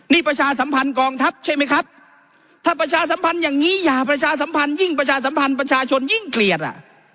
นี่ประชาสัมพันธ์กองทัพใช่ไหมครับถ้าประชาสัมพันธ์อย่างนี้อย่าประชาสัมพันธ์ยิ่งประชาสัมพันธ์ประชาชนยิ่งเกลียดอ่ะ